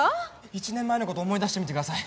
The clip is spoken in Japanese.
１年前の事を思い出してみてください。